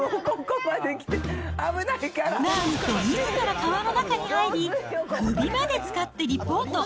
なんとみずから川の中に入り、首までつかってリポート。